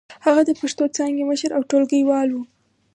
هغه د پښتو څانګې مشر او ټولګيوال و.